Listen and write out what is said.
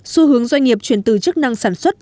xu hướng doanh nghiệp chuyển từ chức năng sản xuất